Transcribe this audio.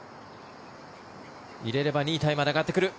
入れれば２位タイまで上がってくる。